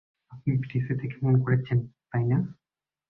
আপনি প্রেসে থেকে ফোন করেছেন, তাই না?